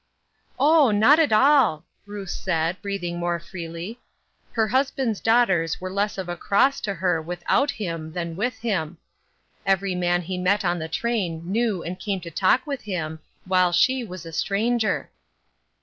" Oh, not at all I " Ruth said, breathing more freely. Her husband's daughters were less of a cross to her without him than with him. Every man he met on the train knew and came to talk with him, while she was a stranger.